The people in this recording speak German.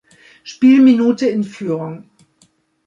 Spielminute in Führung.